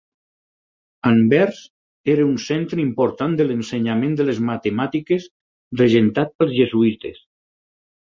Anvers era un centre important de l'ensenyament de les matemàtiques regentat pels jesuïtes.